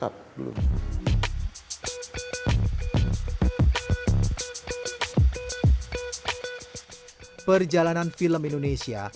perjalanan film indonesia